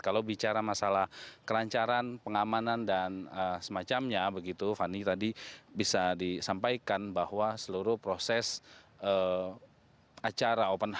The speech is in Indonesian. kalau bicara masalah kelancaran pengamanan dan semacamnya begitu fani tadi bisa disampaikan bahwa seluruh proses acara open hou